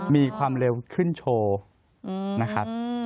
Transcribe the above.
มีความเร็วขึ้นโชว์นะครับ